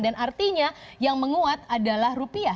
dan artinya yang menguat adalah rupiah